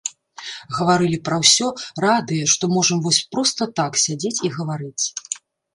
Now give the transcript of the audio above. Гаварылі пра ўсё, радыя, што можам вось проста так сядзець і гаварыць.